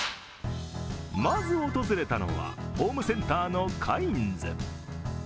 まず訪れたのはホームセンターのカインズ。